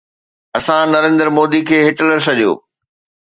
اسان نريندر مودي کي هٽلر سڏيو.